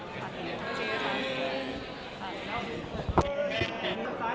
เพลงพี่หวาย